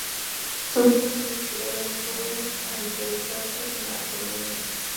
Sus libros han inspirado a los jóvenes a interesarse en la astronomía.